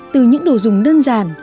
từ những đồ dùng đơn giản